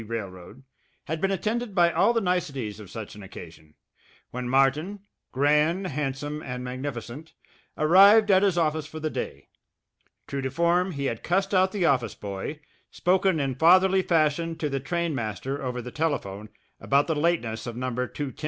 Railroad, had been attended by all the niceties of such an occasion, when Martin, grand, handsome, and magnificent, arrived at his office for the day. True to form, he had cussed out the office boy, spoken in fatherly fashion to the trainmaster over the telephone about the lateness of No.